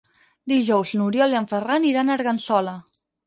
Dijous n'Oriol i en Ferran iran a Argençola.